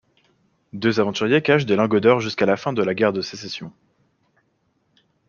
Deux aventuriers cachent des lingots d'or jusqu'à la fin de la guerre de sécession.